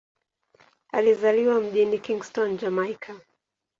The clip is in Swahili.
Alizaliwa mjini Kingston, Jamaika.